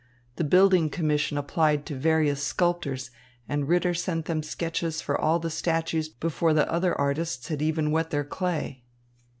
The building commission applied to various sculptors, and Ritter sent them sketches for all the statues before the other artists had even wet their clay."